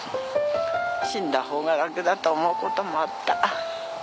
死んだほうが楽だと思うこともあった。